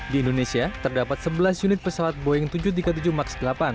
di indonesia terdapat sebelas unit pesawat boeing tujuh ratus tiga puluh tujuh max delapan